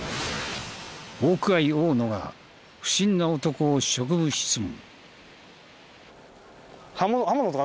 ホークアイ大野が不審な男を職務質問。